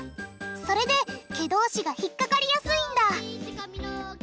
それで毛同士が引っ掛かりやすいんだ